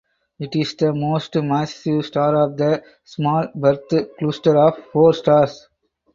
It is the most massive star of the small birth cluster of four stars.